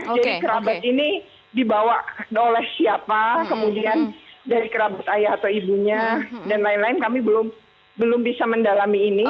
jadi kerabat ini dibawa oleh siapa kemudian dari kerabat ayah atau ibunya dan lain lain kami belum bisa mendalami ini